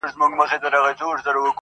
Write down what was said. خداى دي يو لاس بل ته نه اړ باسي.